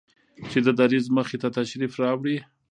چې د دريځ مخې ته تشریف راوړي